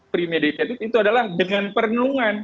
premedicated itu adalah dengan perenungan